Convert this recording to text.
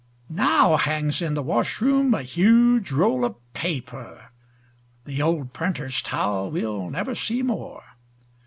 Now hangs in the washroom a huge roll of paper The old printer's towel we'll never see more.